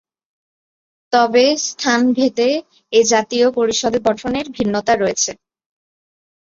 তবে, স্থানভেদে এ জাতীয় পরিষদের গঠনে ভিন্নতা রয়েছে।